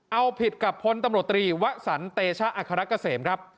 เอาผิดกับพตรรีวะสันเตชะอัครักษ์เกษมครับ